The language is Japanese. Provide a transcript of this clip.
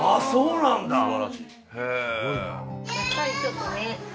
そうなんだ。